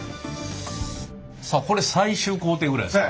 さあこれ最終工程ぐらいですか？